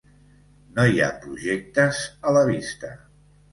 No hi ha projectes a la vista.